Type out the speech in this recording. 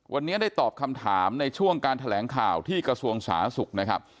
วันนี้ได้ตอบคำถามในช่วงการแถลงข่าวที่กระทรวงสาธารณสุขนะครับ